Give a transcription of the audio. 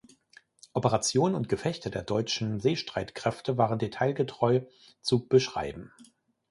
Operationen und Gefechte der deutschen Seestreitkräfte waren detailgetreu zu beschreiben.